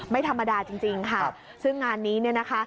ไม่ธรรมดาจริงค่ะซึ่งงานนี้เนี่ยนะคะ